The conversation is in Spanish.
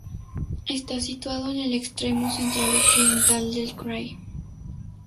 Está situado en el extremo central occidental del krai.